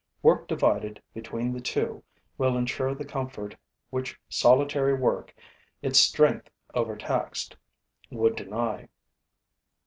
Work divided between the two will ensure the comfort which solitary work, its strength overtaxed, would deny.